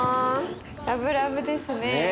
ラブラブですね。